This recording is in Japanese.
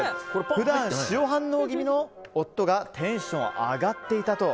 普段、塩反応気味の夫がテンション上がっていたと。